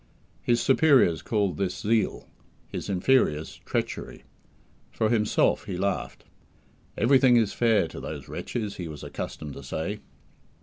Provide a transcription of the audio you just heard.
His superiors called this "zeal"; his inferiors "treachery". For himself, he laughed. "Everything is fair to those wretches," he was accustomed to say.